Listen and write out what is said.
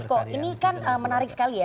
oke bang fasko ini kan menarik sekali ya